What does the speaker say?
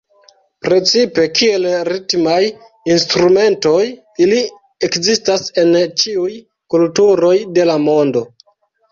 Precipe kiel ritmaj instrumentoj ili ekzistas en ĉiuj kulturoj de la mondo.